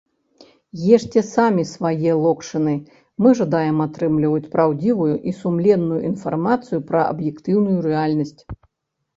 Ешце самі свае локшыны, мы жадаем атрымліваць праўдзівую і сумленную інфармацыю пра аб'ектыўную рэальнасць!